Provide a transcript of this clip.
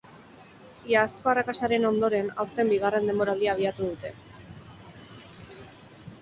Iazko arrakastaren ondoren, aurten bigarren denboraldia abiatu dute.